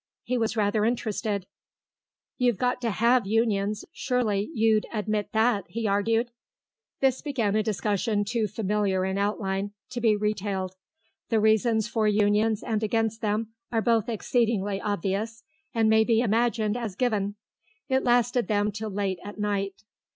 He was rather interested. "You've got to have Unions, surely you'd admit that," he argued. This began a discussion too familiar in outline to be retailed; the reasons for Unions and against them are both exceedingly obvious, and may be imagined as given. It lasted them till late at night.